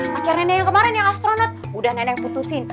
pacar neneng yang kemarin ya astronot udah neneng putusin